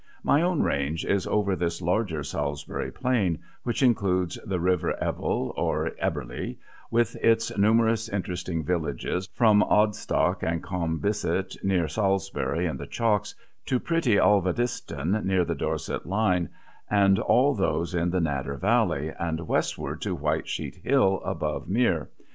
My own range is over this larger Salisbury Plain, which includes the River Ebble, or Ebele, with its numerous interesting villages, from Odstock and Combe Bisset, near Salisbury and "the Chalks," to pretty Alvediston near the Dorset line, and all those in the Nadder valley, and westward to White Sheet Hill above Mere.